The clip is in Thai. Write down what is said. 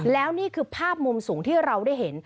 แล้วนี่คือภาพมุมสูงที่เราได้เห็น